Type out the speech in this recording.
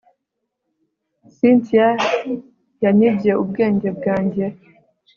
cyntia yanyibye ubwenge bwanjye